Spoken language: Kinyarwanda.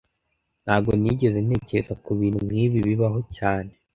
Ntago nigeze ntekereza kubintu nkibi bibaho cyane